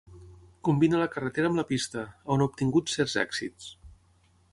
Combina la carretera amb la pista, on ha obtingut certs èxits.